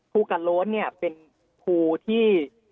ภูกรรโรนเนี่ยเป็นภูที่